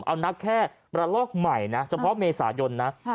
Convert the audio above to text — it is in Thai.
เอานักแค้ระลอกใหม่นะสำหรับเมซายนนะค่ะ